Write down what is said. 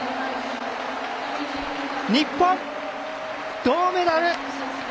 日本、銅メダル。